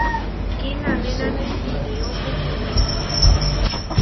Kinanénane simió kečeweka.